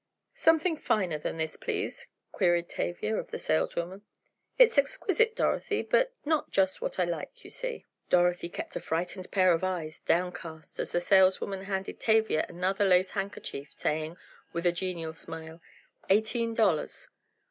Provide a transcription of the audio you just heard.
"Something finer than this, please," queried Tavia, of the saleswoman, "it's exquisite, Dorothy, but not just what I like, you see." Dorothy kept a frightened pair of eyes downcast, as the saleswoman handed Tavia another lace handkerchief saying, with a genial smile: "Eighteen dollars."